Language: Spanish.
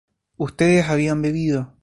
ustedes habían bebido